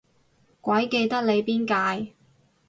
鬼記得你邊屆